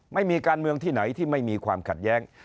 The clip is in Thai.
ไม่มีการเมืองที่ไหนที่ไม่มีความขัดแย้ง